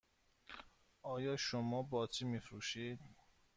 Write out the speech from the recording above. آیا شما باطری می فروشید؟